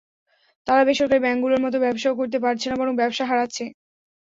তারা বেসরকারি ব্যাংকগুলোর মতো ব্যবসাও করতে পারছে না, বরং ব্যবসা হারাচ্ছে।